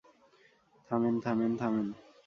থামেন, থামেন, থামেন।